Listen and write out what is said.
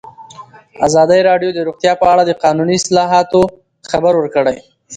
ازادي راډیو د روغتیا په اړه د قانوني اصلاحاتو خبر ورکړی.